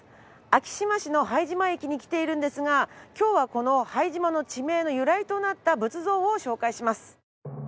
昭島市の拝島駅に来ているんですが今日はこの拝島の地名の由来となった仏像を紹介します。